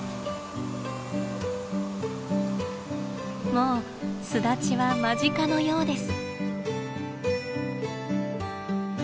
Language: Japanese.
もう巣立ちは間近のようです。